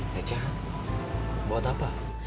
recehan buat apa